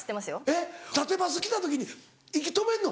えっ縦パスきた時に息止めんの？